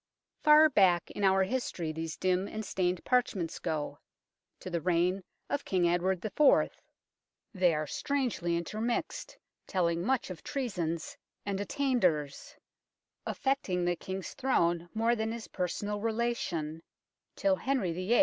Far back in our history these dim and stained parchments go, to the reign of King Edward IV. They are strangely intermixed, telling much of treasons and attainders, affecting the King's Throne more than his personal relation, till Henry VIII.